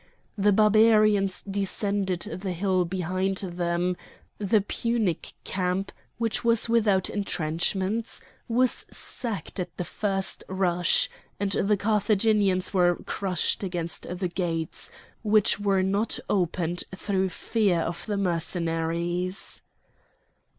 The Barbarians descended the hill behind them; the Punic camp, which was without entrenchments was sacked at the first rush, and the Carthaginians were crushed against the gates, which were not opened through fear of the Mercenaries.